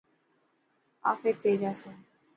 آفي ٿي جاسي.